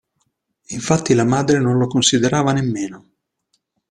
Infatti, la madre non lo considerava nemmeno.